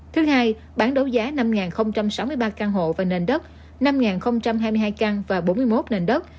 thứ hai bán đấu giá năm sáu mươi ba căn hộ và nền đất năm hai mươi hai căn và bốn mươi một nền đất